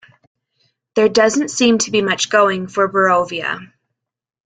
There doesn't seem to be much going for Borovia.